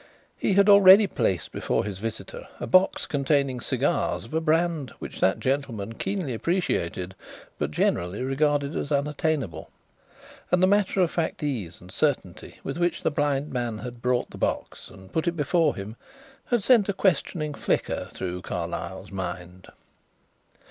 He had already placed before his visitor a box containing cigars of a brand which that gentleman keenly appreciated but generally regarded as unattainable, and the matter of fact ease and certainty with which the blind man had brought the box and put it before him had sent a questioning flicker through Carlyle's mind.